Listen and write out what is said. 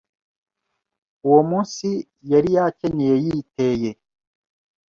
uwo munsi, yari yakenyeye yiteye.